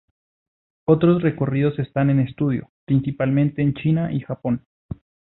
Otros recorridos están en estudio, principalmente en China y Japón.